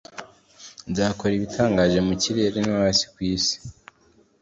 Nzakora ibitangaje mu kirere no hasi ku isi,